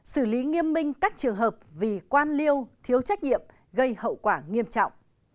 xử lý nghiêm minh các trường hợp vì quan liêu thiếu trách nhiệm gây hậu quả nghiêm trọng